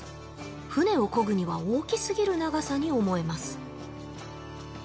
船を漕ぐには大きすぎる長さに思えます